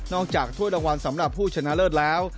จากถ้วยรางวัลสำหรับผู้ชนะเลิศแล้ว